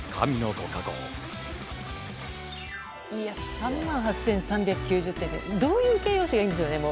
３万８３９０点ってどういう形容詞がいいんでしょうね。